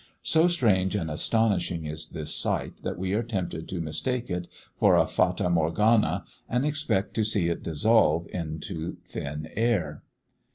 So strange and astonishing is this sight that we are tempted to mistake it for a Fata Morgana and expect to see it dissolve into thin air.